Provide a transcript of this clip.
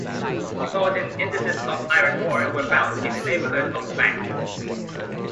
Important indices of iron ore were found in the neighborhood of Bang.